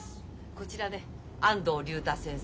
こちらね安藤竜太先生。